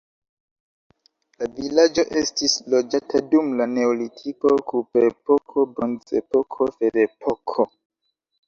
La vilaĝo estis loĝata dum la neolitiko, kuprepoko, bronzepoko, ferepoko.